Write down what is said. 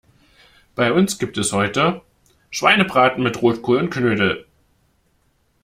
Bei uns gibt es heute Schweinebraten mit Rotkohl und Knödel.